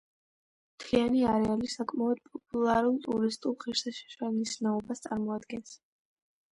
მთლიანი არეალი საკმაოდ პოპულარულ ტურისტულ ღირსშესანიშნაობას წარმოადგენს.